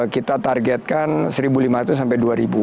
kita targetkan satu lima ratus sampai dua ribu